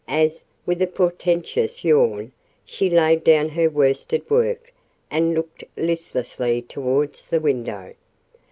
as, with a portentous yawn, she laid down her worsted work and looked listlessly towards the window.